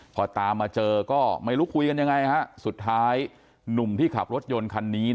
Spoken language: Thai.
พอตามมาเจอก็ไม่รู้คุยกันยังไงฮะสุดท้ายหนุ่มที่ขับรถยนต์คันนี้